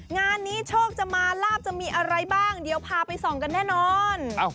งานนี้โชคจะมาลาบจะมีอะไรบ้างเดี๋ยวพาไปส่องกันแน่นอน